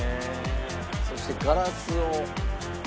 「そしてガラスを」